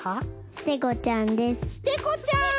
ステゴちゃん！